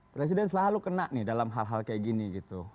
presiden selalu kena nih dalam hal hal kayak gini gitu